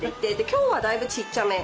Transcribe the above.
今日はだいぶちっちゃめ。